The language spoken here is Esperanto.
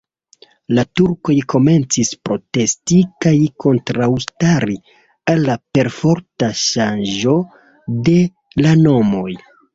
La turkoj komencis protesti kaj kontraŭstari al la perforta ŝanĝo de la nomoj.